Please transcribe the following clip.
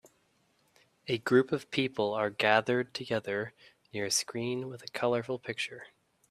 A group of people are gathered together near a screen with a colorful picture